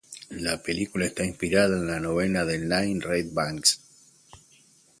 La película está inspirada en la novela de Lynne Reid Banks.